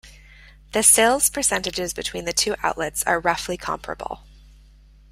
The sales percentages between the two outlets are roughly comparable.